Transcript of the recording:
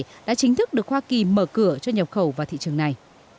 quả nhãn đã chính thức được hoa kỳ mở cửa cho nhập khẩu vào thị trường này